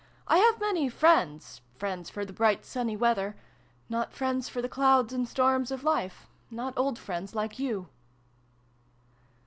I have many friends friends for the bright sunny weather ; not friends for the clouds and storms of life ; not old friends like you